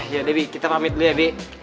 ya debi kita pamit dulu ya bi